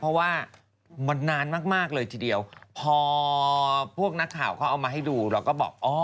เพราะว่ามันนานมากเลยทีเดียวพอพวกนักข่าวเขาเอามาให้ดูเราก็บอก